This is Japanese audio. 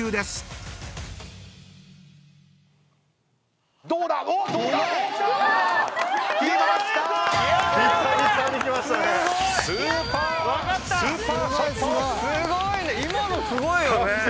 すごいね！